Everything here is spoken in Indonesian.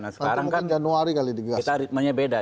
nah sekarang kan kita ritmenya beda